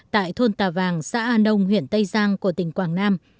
tại thôn tà vàng xã an nông huyện tây giang của tỉnh quảng nam